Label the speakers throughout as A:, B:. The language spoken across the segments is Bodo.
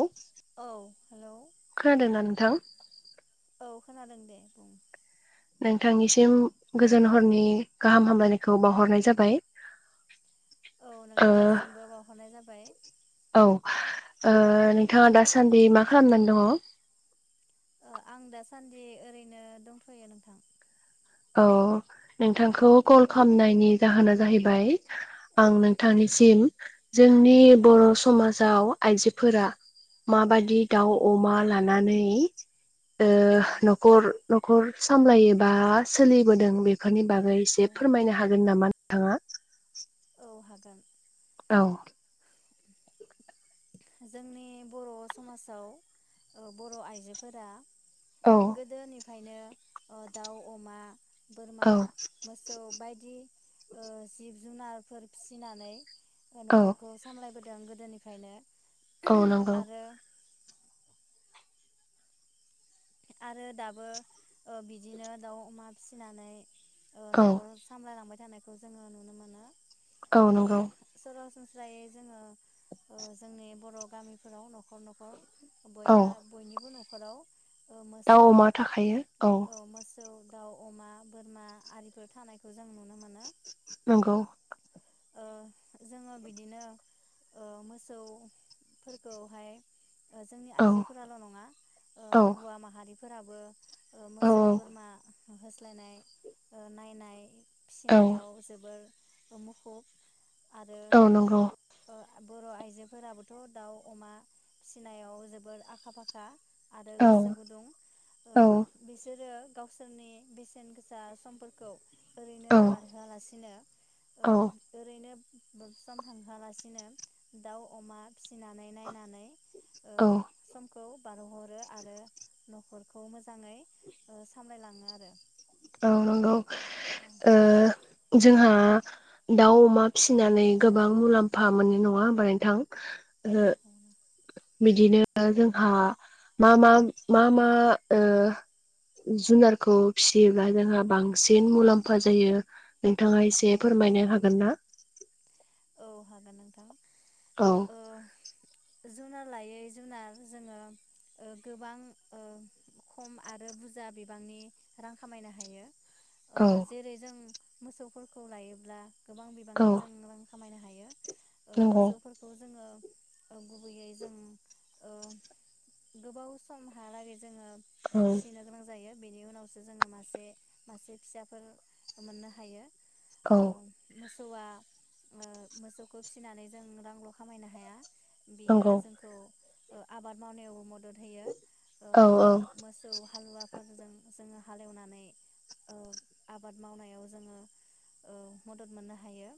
A: हेल
B: औ हेलौ
A: खोनादोंना नोंथां
B: औ खोनादों दे बुं
A: नोंथांनिसिम गोजोन हरनि गाहाम हामलायनायखौ बावहरनाय जाबाय
B: औ
A: ओ
B: नोंथांनिसिमबो बावहरनाय जाबाय
A: औ ओ नोंथाङा दासान्दि मा खालामनानै दङ
B: आं दासान्दि ओरैनो दंथयो नोंथां
A: औ नोंथांखौ कल खालामनायनि जाहोना जाहैबाय
B: औ
A: आं नोंथांनिसिम जोंनि
B: औ
A: बर समाजाव आइजोफोरा
B: औ
A: माबाजि दउ अमाल लाना न ओ
B: औ
A: नखर नख'र सामलायोबा सोलिबोदों बेफोरनि बागै एसे
B: औ
A: फोरमायनो हागोन नामा नोंथाङा
B: ब हागोन
A: औ
B: जोंनि बर समाजाव बर आइजोफोरा
A: औ
B: आगदनि ओंखायनो दाउ अमा बोरमा
A: औ
B: मोसौ बायदि जिब जुनारफोर फिसिनानै
A: औ
B: नखरखौ सामलायबो दों गोदोनिफ्रायनो।
A: औ नंगौ
B: आरो आरो दाबो बिदिनो दाउ अमा फिनानै
A: औ
B: नखराव सामलायलांबाय जानायखौ जोङो नुनो मोनो
A: औ नंगौ
B: जायो जोङो ओ जोंनि बर' गामिफोराव नखर नखर
A: औ
B: बयहा बयनिबो न नख'राव ओ
A: दाउ
B: मोसौ
A: अमा थाखायो
B: औ मोसौ दाउ अमा बोरमा आरिफोर थानायखौ जों नुनो मोनो
A: [inaudible] नंगौ
B: ओ जोङो बिदिनो ओ मोसौफोरखौहाय जोंनि
A: औ
B: आइजोफोराल नङा
A: औ
B: हौवा माहारिफोर फोराबो
A: औ
B: मोसौ बोरमा होस्लायनाय ओ‌ नायनाय
A: औ
B: फिसिनायाव जोबोर [unintelligible] [unintelligible] आरो
A: औ नंगौ
B: ओ बर' आइजोफोराबोथ' दाउ अमा फिनायाव जोबोद आखा-फाखा आरो
A: औ
B: गोसो गुदुं ओ
A: औ
B: बिसोरो गावसोरनि बेसेन गोसा समफोरखौ ओरैनो
A: औ
B: बारहोआलासिनो ओरैनो ब सम थांहोया लासिनो दाउ अमा फिसिनानै नायनानै
A: औ
B: खौ बारहरो आरो नखरखौ मोजाङै ओ सामलायलाङो आरो।
A: औ नंगौ
B: औ
A: ओ जोंहा दाउ अमा फिसिनानै गोबां मुलाम्फा मोनो नङा होमबा नोंथां?
B: औ
A: ओ
B: [unintelligible]
A: बिदिनो जोंहा मा मा मा मा ओ बांसिन मुलाम्फा जायो नोंथाङा एसे
B: औ औ
A: फोरमायनो हागोन ना?
B: औ हागोन नोंथां।
A: औ
B: ओ जुनार लायै जुनार जोङो ओ गोबां ओ खम आरो बुरजा बिबांनि रां खामायनो हायो।
A: औ
B: ओ जेरै जों। मोसौफोरखौ लायोब्ला गोबां
A: औ
B: बिबांनि जों रां खामायनो हायो ओ
A: नंगौ
B: मोसौफोरखौ जोङो गुबैयै जों ओ गोबाव समहालागै। जोङो
A: औ
B: फिसिनो गोनां जायो। बेनि उनावसो जोङो मासे मासे फिसाफोर मोननो हायो
A: औ।
B: थवा मोसौखौ फिसिनानै जों रांल खामायनो हाया। बियो
A: नंगौ
B: जोंखौ आबाद मावनायाव म मदद होयो ओ
A: औ औ
B: मोसौ हालुवाफोरजों जोङो हालेवनानै आबाद मावनायाव जोङो मदद मोननो हायो।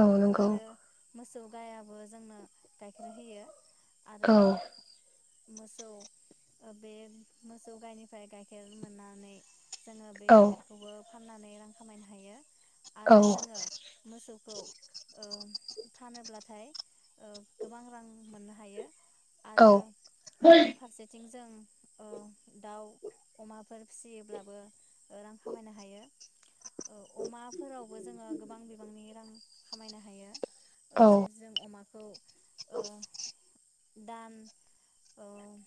A: औ नोंगौ
B: आरो मोसौ गायाबो जोंनो गाइखेर होयो। आरो
A: औ
B: मोसौ बे मोसौ गायनिफ्राय गाइखेर मोननानै जोङो बे
A: औ
B: गाइखेरखौबो फाननानै रां खामायनो हायो।
A: औ
B: आरो जोङो मोसौ द‌ ओ फानोब्लाथाय ओ गोबां रां मोननो हायो।
A: औ
B: आरो ओ फारसेथिं जों दाउ ओ अमाफोर फिसियोब्लाबो। रां खामायनो हायो। ओ अमाफोरावबो जोङो गोबां बिबांनि रां। खामायनो हायो
A: औ
B: ओ जे जों अमा औ
A: [inaudible]
B: दान ओम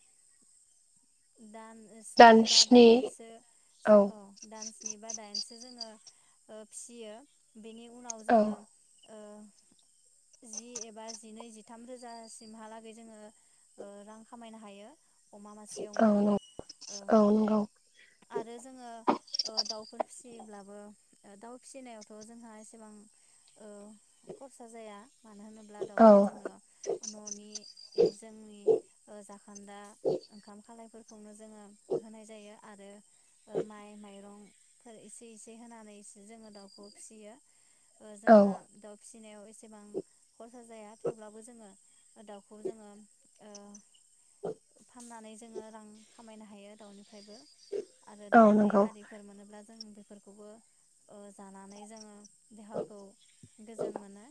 B: दान। स्नि बा दाइनसो औ दान्स। सिनिबा दाइनसो जोङो ओ फियो। बेनि उनाव
A: औ
B: जोङो ओ जि एबा जिनै जिथाम रोजासिमहालागै जोङो ओ रां खामायनो हायो अमा माथ
A: औ
B: यावनो
A: नंगौ
B: ओ
A: औ नंगौ
B: आरो जोङो ओ दाउफोर फिसियोब्लाबो दाउ फिसिनायावथ जोंहा एसेबां ओ खरसा जाया। मानो होनोब्ला
A: औ
B: दाउखौ जोङो ननि जोंनि जाखोन्दा खाम खालायफोरखौनो जोङो होनाय जायो आरो ओ माइ माइरं फोर इसे इसे होनानैसो जोङो दाउखौ फिसियो।
A: औ
B: जोंहा दाउ फि [unintelligible] नायाव एसेबां खरसा जाया थेवब्लाबो जोङो। दाउखौ जोङो ओ नानै जोङो रां खामायनो हायो दाउनि फ्रायबो आरो
A: औ
B: दाउदै
A: नंगौ
B: आरिफोर मोनोब्ला जों बेफोरखौबो ओ जानानै जोङो देहाखौ गोजोन मोनो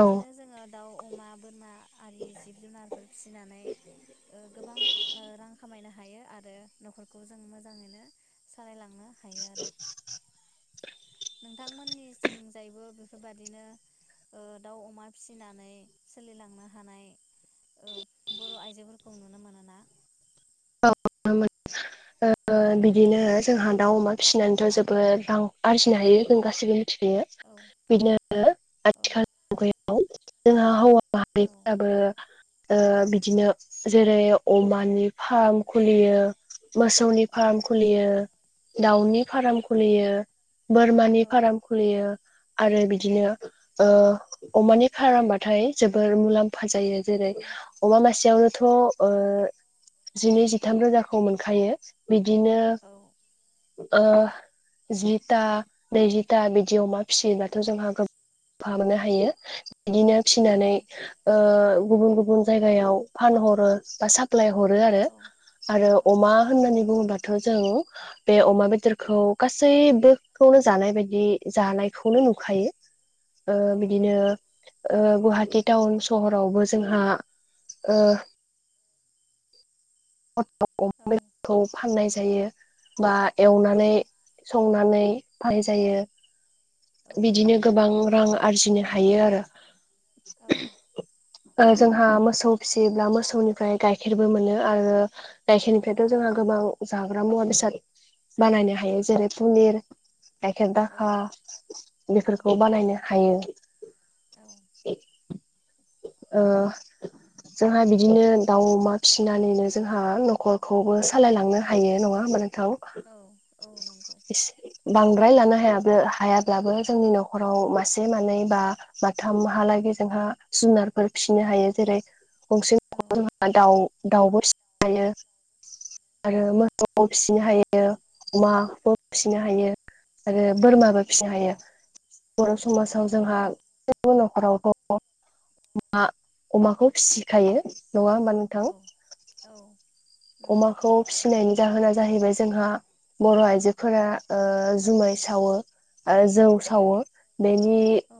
A: औ
B: जोङो। दाउ अमा बोरमा। आरि जिब जुनारफोर फिसिनानै ओ गोबां रां खामायनो हायो आरो न'खरखौ जों मोजाङैनो सालायलांनो हायो। आरो
A: [unintelligible]
B: नोंथांमोननिथिंजायबो बेफोरबादिनो ओ दाउ अमा फिसिनानै सोलिलांनो हानाय ओ बर' आइजोफोरखौ नुनो मोनोना?
A: औ ओ बिदिनो जोंहा दाउ अमा फिसिनानैथ जोबोद रां आरजिनो हायो जों गासिबो
B: औ
A: बिदिनो
B: औ
A: आथिखाल मुगायाव जोंहा हौवा
B: औ
A: माहारिफोराबो बिदिनो ओ जेरै अमानि फार्म खुलियो मोसौनि फार्म खुलियो दाउनि
B: औ
A: फाराम खुलियो बोरमानि फाराम खुलियो आरो
B: औ
A: बिदिनो अमानि फारामबाथाय जोबोर मुलाम फा जायो जेरै
B: औ
A: अमा मासेयावनोथ
B: औ औ
A: ओ जिनै जिथाम रोजाखौ मोनखायो बिदिनो जिथा नैजिथा बिदि अमा फिसियोब्लााथ जोंहा गोब फा मोननो हायो बिदिनो फिनानै गुबुन गुब बुन जायगायाव फानहरो बा साप्लाइ हरो आरो आरो अमा होननानै बुङोबा थ जों बे अमा बेदरखौ गासैबो खौनो जानाय बायदि जानायखौनो नुखायो। बिदिनो ओ गुवाहाटी टाउन सहरावबो जोंहा ओ [inaudible] खौ फाननाय जा जायो बा
B: औ
A: एवनानै संनानै फान्नाय जायो बिदिनो गोबां रां आरजिनो हा हायो आरो जोंहा मोसौ फिसियोब्ला मोसौनिफ्राय गाइखेरबो मोनो आरो गायखेरनिफ्रायथ जोंहा गोबां जाग्रा मुवा बेसाद बानायनो हायो जेरै पनिर गाइखेर
B: औ
A: दाखा बेफोरखौ बानायनो हायो। ओ जोंहा बिदिनो दाउ अमा फिसिनानैनो जोंहा न'खर खौबो सालायलांनो हायो नङा होमबा नोंथां
B: औ औ नंगौ
A: इस बांद्राय लानो हाया हायाब्लाबो जोंनि न'खराव मासे मानै बा माथामहालागै जोंहा जुनारफोर फिसिनो हायो जेरै गंसे
B: औ
A: दाउ दाउबो फिस खायो आरो
B: औ
A: मो [inaudible] फिसिनो हायो अमा
B: औ
A: फिसिनो हायो आरो बोरमाबो फिसिनो हायो बर समाजाव जोंहा गोबां नखरावथ अमा अमाखौ फिसिखायो नङा होमबा नोंथां?
B: औ नंगौ
A: अमाखौ फिनाय नि जाहोना जाहैबाय जोंहा बर आइजोफोरा जुमाय सावो ओ जौ
B: औ
A: सावो बेनि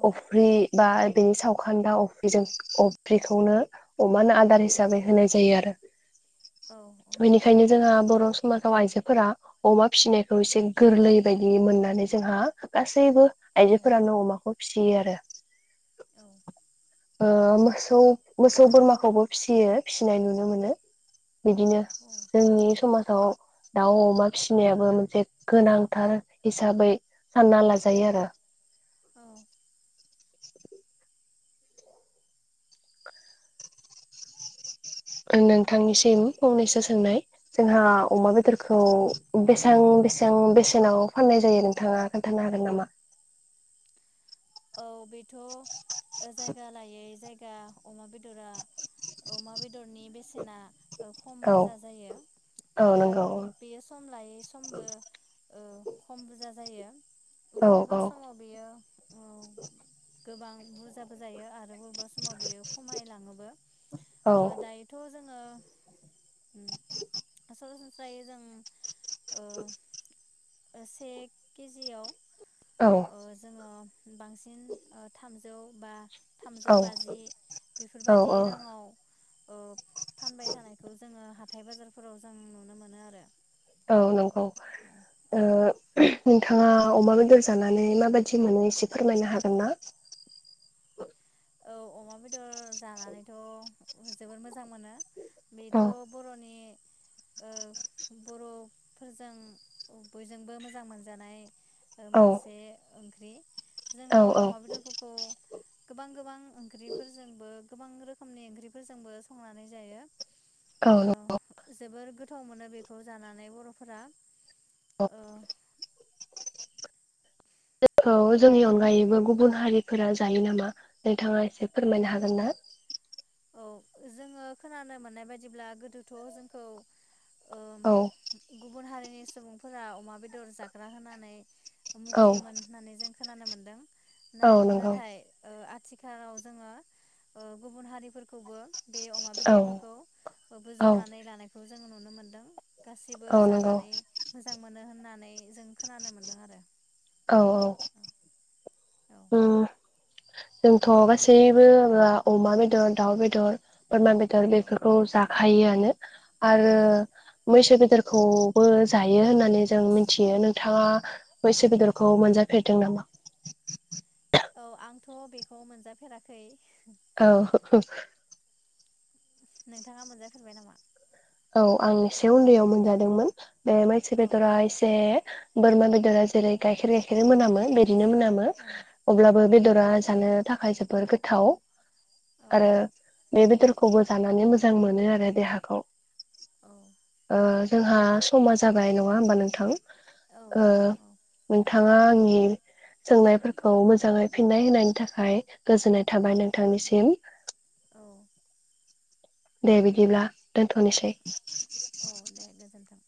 A: अफ्रि बा बेनि सावखान्दा अफ्रिजों अफ्रिखौनो अमानो आद आदार हिसाबै होनाय जायो आरो
B: औ
A: बेनिखायनो जोंहा ब बर' समाजाव आइजोफोरा अमा फिसिनायखौ एसे गोरलै बायदि मोननानै जोंहा गासैबो
B: औ औ
A: आइजोफोरानो अमाखौ फिसियो आरो।
B: औ
A: [inaudible] ओ मोसौ मोसौ बोरमाखौबो फिसियो फिसिनाय नुनो मोनो। बिदिनो जोंनि समाजाव दाउ अमा फिसिनायाबो मोनसे गोनांथार हिसाबै सानना लाजायो आरो
B: औ
A: नोंथांनिसिम फंनैसो सोंनाय जोंहा अमा बेदरखौ बेसेबां-बेसेबां बेसेनाव फाननाय जायो नोंथाङा खोन्थानो हागोन नामा
B: औ बेथ जायगा जायगा लायै-जायगा अमा बेदरा अमा बेदरनि बेसेना ओ खम
A: औ
B: बुरजा जायो,
A: औ
B: आरो
A: नंगौ
B: बेयो सम लायै समबो ओ खम बुरजा जायो।
A: औ औ
B: बबेबा समाव बियो
A: [inaudible]
B: गोबां बुरजाबो जायो आरो बबेबा समाव बि खमायलाङोबो
A: औ
B: ओ दायोथ' जोङो उम सरासनस्रायै जों ओ
A: [inaudible]
B: से केजियाव अ जोंङो बांसिन थामजौ बा थामजौ
A: औ
B: बाजि
A: औ
B: बेफोरबादि
A: औ
B: राङाव अ फानबाय थानायखौ जोङो हा हाथाइ बाजारफोराव जों नुनो मोनो आरो
A: औ नंगौ
B: औ
A: ओ नोंथाङा अमा बेदर जानानै मा बायदि मोनो एसे फोरमायनो हागोन ना?
B: औ अमा बेदर जानानैथ जोबोद मोजां मोजां मोनो बेथ'
A: औ
B: बर'नि ओ बरफोरजों बयजोंबो मोजां मोनजानाय ओ
A: औ
B: मोनसे ओंख्रि
A: औ
B: जोङो अमा
A: औ
B: बेदरफोरखौ गोबां गोबां ओंख्रिफोरजोंबो गोबां रोखोमनि ओंख्रिफोरजोंबो संनानै जायो औ जोबोर गोथाव मोनो बेखौ जानानै बर'फोरा
A: अ [inaudible]
B: औ
A: [unintelligible] जोंनि अनगायैबो गुबुन हारिफोरा जायो नामा नोंथाङा एसे फोरमायनो हागोन ना?
B: औ जोङो खोनानो मोननाय बायदिब्ला गोदोथ' जोंखौ ओ
A: औ
B: गुबुन हारिनि सुबुंफोरा अमा बेदर जाग्रा होनानै
A: औ
B: मुगैयोमोन होननानै जों खोनानो मोन्दों
A: औ नंगौ
B: ना-नाथाय ओ आ आथिखालाव जोङो ओ गुबुन हारि खौबो बे अमा
A: औ
B: बेदरफोरखौ
A: औ
B: बोजबनानै लानायखौ जोङो नुनो मोनदों गासिबो
A: औ नंगौ
B: जानानै मोजां मोनो होननानै जों खोनानो मोन्दों आरो।
A: औ औ
B: औ
A: उम जोंथ गासैबो अमा बेदर, दाउ बेदर बोरमा बेदर
B: औ
A: बेफोरखौ जाखायोआनो। [inaudible] आरो
B: औ
A: मैसो बेदरखौबो जायो होननानै जों मिथियो। नोंथाङा बैसो
B: औ
A: बेदरखौ मोनजा फेरदों नामा?
B: औ आंथ बेखौ मोनजाफेराखै
A: औ
B: नोंथाङा मोनजाफेरबाय नामा?
A: औ आं एसे उन्दैयाव मोनजादोंमोन। ए मैसो
B: औ
A: बेदरा एसे बोरमा बेदरा जेरै
B: औ
A: गाइखेर गाइखेर मोनामो बिदिनो मोनामो
B: औ
A: अब्लाबो
B: औ
A: बेदरा जानो थाखाय जोबोर गोथाव
B: औ
A: आरो बे बेदरखौबो जानानै मोजां मोनो आरो देहाखौ।
B: औ
A: ओ जोंहा समा जाबाय नङा होमबा नोंथां?
B: औ
A: ओ थाङा आंनि सोंनायफोरखौ मोजाङै फिननाय होनायनि थाखाय गोजोननाय थाबाय नोंथांनिसिम।
B: औ
A: दे बिदिब्ला दोनथनोसै।
B: औ दे गोजोन्थों।